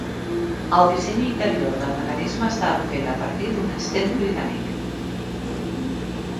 El disseny interior del mecanisme estava fet a partir del Sten britànic.